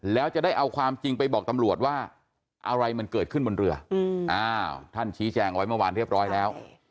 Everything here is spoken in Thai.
แล้วจะได้เอาความจริงไปบอกตำรวจว่าอะไรมันเกิดขึ้นบนเรือท่านชี้แจงไว้เมื่อวานเรียบร้อยแล้ว